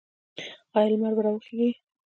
آیا لمر به راوخیږي؟